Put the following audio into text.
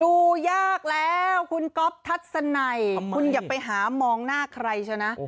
ดูยากแล้วคุณก๊อฟทัศนัยคุณอย่าไปหามองหน้าใครชนะ